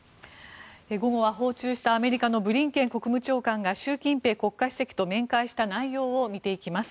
午後は訪中したアメリカのブリンケン国務長官が習近平国家主席と面会した内容を見ていきます。